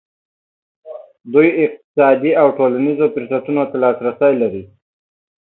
دوی اقتصادي او ټولنیزو فرصتونو ته لاسرسی لري.